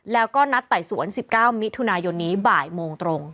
แล้วก็นัดไต่สวน๑๙มิถุนายนนี้บ่ายโมงตรง